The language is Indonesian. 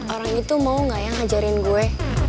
orang itu mau gak ya ngajarin gue